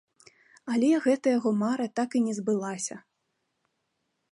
Але гэта яго мара так і не збылася.